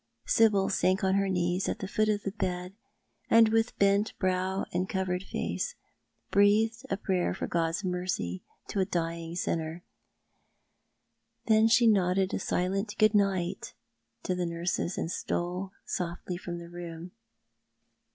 Sibyl sank on her knees at the foot of the bed, and with bent brow and covered face breathed a prayer for God's mercy to a dying sinner ; then she nodded a silent good night to the nurses, and stole softly from the room.